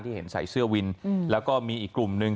เห็นใส่เสื้อวินแล้วก็มีอีกกลุ่มนึง